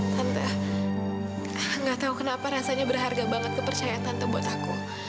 tante tidak tahu kenapa rasanya berharga banget kepercayaan tante buat aku